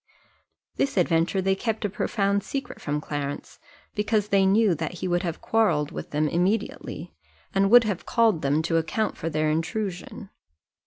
This adventure they kept a profound secret from Clarence, because they knew that he would have quarrelled with them immediately, and would have called them to account for their intrusion.